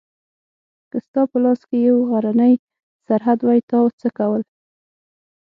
که ستا په لاس کې یو غرنی سرحد وای تا څه کول؟